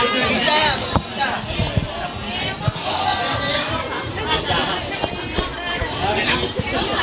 พี่แจ้พี่แจ้